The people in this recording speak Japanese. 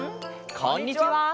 こんにちは！